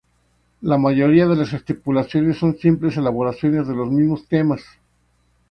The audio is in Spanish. La mayoría de las estipulaciones son simples elaboraciones de los mismo temas.